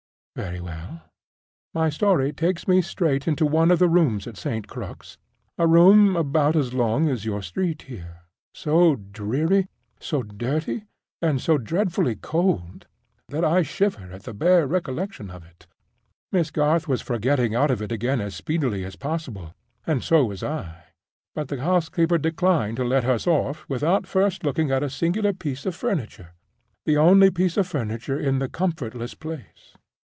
"Very well. My story takes me straight into one of the rooms at St. Crux—a room about as long as your street here—so dreary, so dirty, and so dreadfully cold that I shiver at the bare recollection of it. Miss Garth was for getting out of it again as speedily as possible, and so was I. But the housekeeper declined to let us off without first looking at a singular piece of furniture, the only piece of furniture in the comfortless place.